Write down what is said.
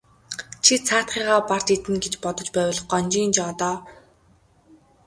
Чи цаадхыгаа барж иднэ гэж бодож байвал гонжийн жоо доо.